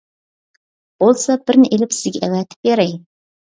بولسا بىرنى ئېلىپ سىزگە ئەۋەتىپ بېرەي.